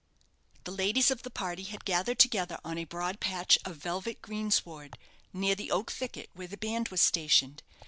The ladies of the party had gathered together on a broad patch of velvet greensward, near the oak thicket where the band was stationed.